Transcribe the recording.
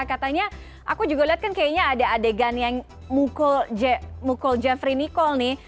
katanya aku juga lihat kan kayaknya ada adegan yang mukul jeffrey nicole nih